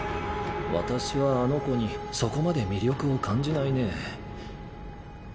私はあの子にそこまで魅力を感じないね。